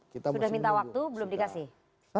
sudah minta waktu belum dikasih